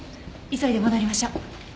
急いで戻りましょう。